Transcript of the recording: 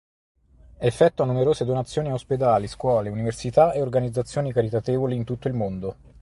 Effettua numerose donazioni a ospedali, scuole, università e organizzazioni caritatevoli in tutto il mondo.